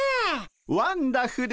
ワンダフル！